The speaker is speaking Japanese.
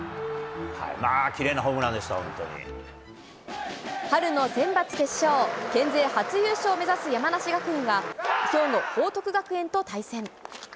まあ、きれいなホームランでした、春のセンバツ決勝、県勢初優勝を目指す山梨学院は、兵庫の報徳学園と対戦。